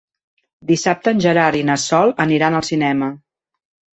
Dissabte en Gerard i na Sol aniran al cinema.